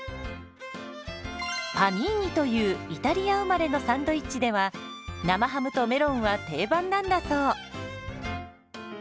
「パニーニ」というイタリア生まれのサンドイッチでは生ハムとメロンは定番なんだそう。